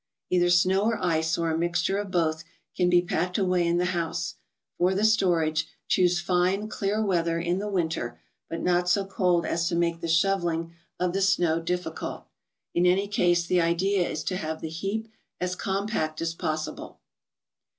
Either snow or ice, or a mixture of both, can be packed away in the house. For the storage, choose fine, clear weather in the Winter, but not so cold as to make the 82 THE BOOK OF ICES. shovelling of the snow difficult. In any case, the idea is to have the heap as compact as possible.